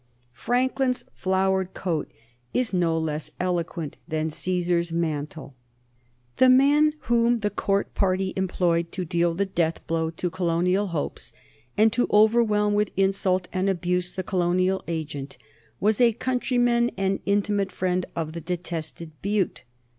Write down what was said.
Franklin's flowered coat is no less eloquent than Caesar's mantle. The man whom the Court party employed to deal the death blow to colonial hopes, and to overwhelm with insult and abuse the colonial agent, was a countryman and intimate friend of the detested Bute.